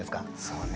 そうねえ。